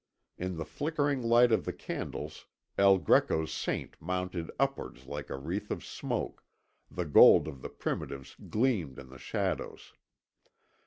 In the flickering light of the candles El Greco's Saint mounted upwards like a wreath of smoke, the gold of the Primitives gleamed in the shadows.